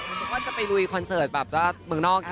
คุณบอกว่าจะไปรุยคอนเสิร์ตแบบเมืองนอก